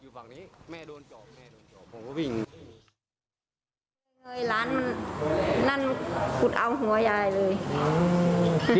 เฮ้ยหลานนั้นกุดเอาหัวยายเลย